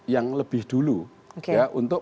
yang lebih dulu untuk